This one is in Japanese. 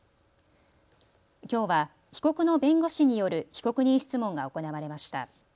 きょうは被告の弁護士による被告人質問が行われました。